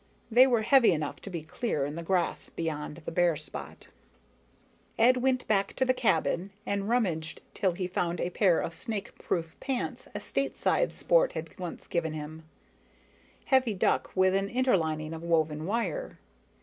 They were heavy enough to be clear in the grass beyond the bare spot. Ed went back to the cabin and rummaged till he found a pair of snakeproof pants a Stateside sport had once given him heavy duck with an interlining of woven wire.